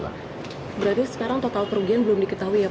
berarti sekarang total kerugian belum diketahui ya pak